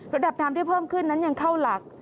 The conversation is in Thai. ระดับน้ำที่เพิ่มขึ้นนั้นยังเข้าหลัก